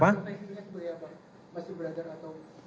masih belajar atau